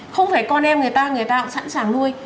không phải con em người ta người ta sẵn sàng nuôi